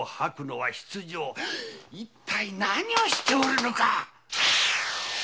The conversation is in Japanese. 一体何をしておるのか！